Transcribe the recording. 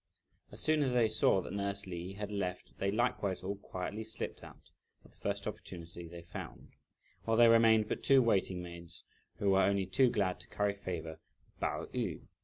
As soon as they saw that nurse Li had left, they likewise all quietly slipped out, at the first opportunity they found, while there remained but two waiting maids, who were only too glad to curry favour with Pao yü.